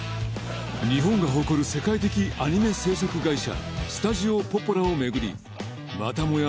日本が誇る世界的アニメ制作会社スタジオポポラを巡りまたもや